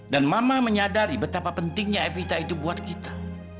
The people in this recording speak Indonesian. dan mama menyadari betapa pentingnya evita itu buat kita